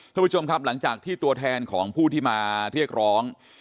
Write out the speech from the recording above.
คุณผู้ชมครับหลังจากที่ตัวแทนของผู้ที่มาเรียกร้อง